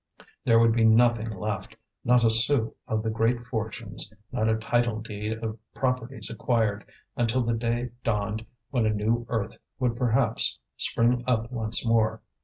There would be nothing left, not a sou of the great fortunes, not a title deed of properties acquired; until the day dawned when a new earth would perhaps spring up once more.